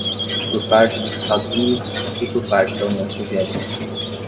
por parte dos Estados Unidos e por parte da União Soviética.